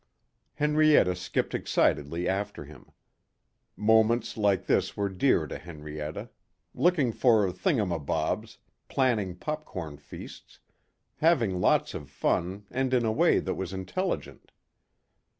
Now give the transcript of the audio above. Henrietta skipped excitedly after him. Moments like this were dear to Henrietta. Looking for thingumabobs, planning popcorn feasts, having lots of fun and in a way that was intelligent.